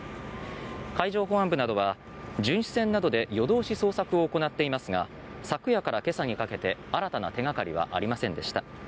海上保安部などは巡視船などで夜通し捜索を行っていますが昨夜から今朝にかけて新たな手掛かりはありませんでした。